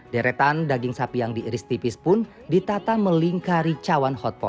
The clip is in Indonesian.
deretan daging sapi yang diiris tipis pun ditata melingkari cawan hotpot